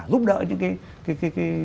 giúp đỡ những cái